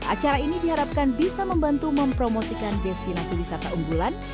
acara ini diharapkan bisa membantu mempromosikan destinasi wisata unggulan